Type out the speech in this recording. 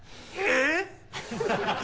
えっ！